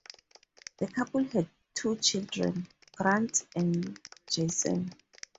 The couple had two children, Grant and Jason.